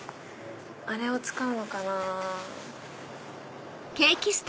あれを使うのかな？